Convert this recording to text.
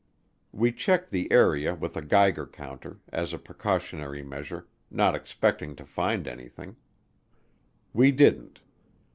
We checked the area with a Geiger counter, as a precautionary measure, not expecting to find anything; we didn't.